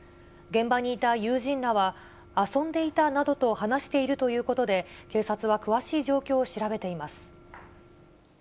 現場にいた友人らは、遊んでいたなどと話しているということで、警察は詳しい状況を調べています。